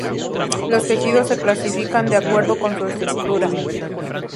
Los tejidos se clasifican de acuerdo con su estructura.